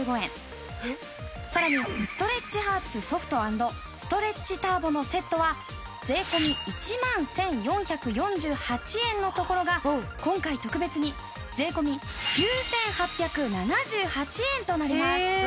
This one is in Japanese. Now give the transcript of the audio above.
さらにストレッチハーツソフト＆ストレッチターボのセットは税込１万１４４８円のところが今回特別に税込９８７８円となります。